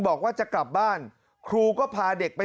เมื่อกี้มันร้องพักเดียวเลย